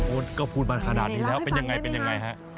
โอ๊ตก็พูดมาขนาดนี้แล้วเป็นอย่างไรครับ